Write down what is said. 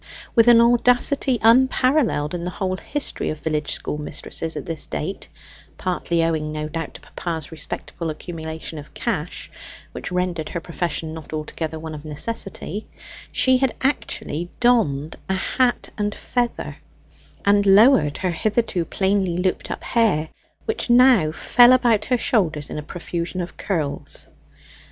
With an audacity unparalleled in the whole history of village school mistresses at this date partly owing, no doubt, to papa's respectable accumulation of cash, which rendered her profession not altogether one of necessity she had actually donned a hat and feather, and lowered her hitherto plainly looped up hair, which now fell about her shoulders in a profusion of curls.